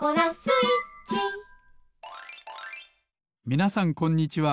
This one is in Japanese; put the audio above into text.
みなさんこんにちは。